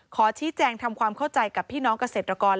ขอชี้แจงทำความเข้าใจกับพี่น้องเกษตรกร